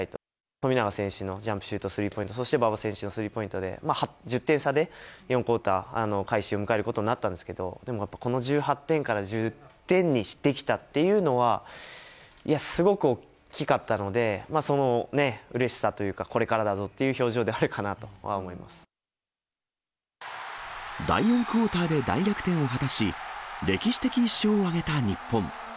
富永選手のジャンプシュート、スリーポイント、そして馬場選手のスリーポイントで、１０点差で４クオーター、開始を迎えることになったんですけど、でもやっぱ、この１８点から１０点にしてきたっていうのは、すごく大きかったので、そのね、うれしさというか、これからだぞっていう表情である第４クオーターで大逆転を果たし、歴史的１勝を挙げた日本。